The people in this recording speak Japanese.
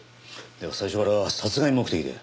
では最初から殺害目的で？